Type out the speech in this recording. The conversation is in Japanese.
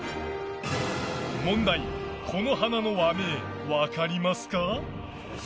問題、この花の和名分かりますか？